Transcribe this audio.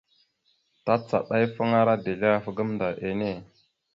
Tacaɗafaŋara dezl ahaf gamənda enne.